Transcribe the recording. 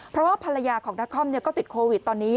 เพราะว่าภรรยาของนครก็ติดโควิดตอนนี้